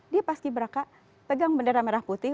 dia pasti berakah pegang bendera merah putih